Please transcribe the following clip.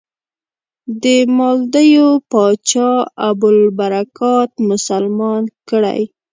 د مالدیو پاچا ابوالبرکات مسلمان کړی.